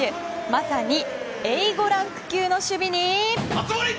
まさにＡ５ランク級の守備に。